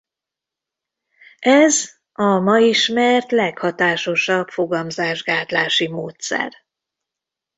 Ez a ma ismert leghatásosabb fogamzásgátlási módszer.